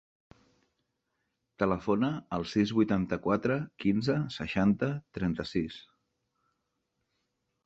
Telefona al sis, vuitanta-quatre, quinze, seixanta, trenta-sis.